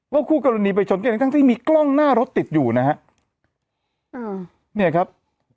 คู่กรณีไปชนกันทั้งที่มีกล้องหน้ารถติดอยู่นะฮะอ่าเนี่ยครับ